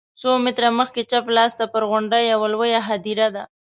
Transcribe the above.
څو متره مخکې چپ لاس ته پر غونډۍ یوه لویه هدیره ده.